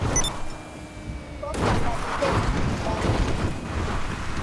Kokala dedelima mbuw'a rose